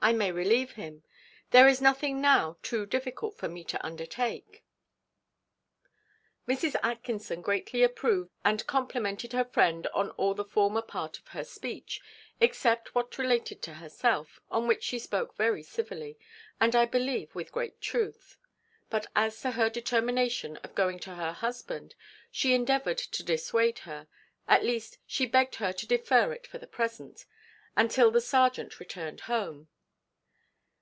I may relieve him. There is nothing now too difficult for me to undertake." Mrs. Atkinson greatly approved and complimented her friend on all the former part of her speech, except what related to herself, on which she spoke very civilly, and I believe with great truth; but as to her determination of going to her husband she endeavoured to dissuade her, at least she begged her to defer it for the present, and till the serjeant returned home.